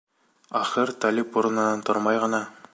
Ахыр Талип урынынан тормай ғына: